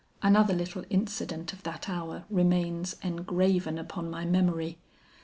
"Another little incident of that hour remains engraven upon my memory.